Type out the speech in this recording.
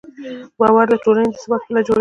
باور د ټولنې د ثبات پله جوړوي.